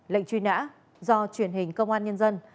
lệnh truy nã do truyền hình công an nhân dân